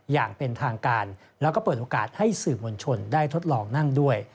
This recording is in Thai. อย่างเป็นทางการแล้วก็เปิดโอกาสให้สื่อมวลชนได้ทดลองนั่งด้วย